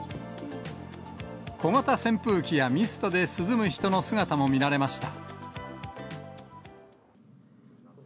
小型扇風機やミストで涼む人の姿も見られました。